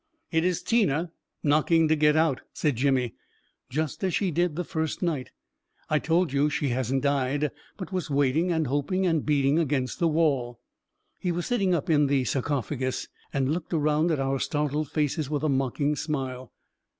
" It is Tina knocking to get out," said Jimmy, "just as she did the first night. I told you she hadn't died, but was waiting and hoping and beating against the wall !" He was sitting up in the sarcophagus, and looked around at our startled faces with a mocking smile.